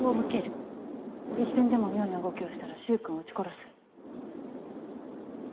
一瞬でも妙な動きをしたら柊君を撃ち殺す。